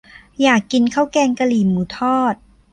อยากกินข้าวแกงกะหรี่หมูทอด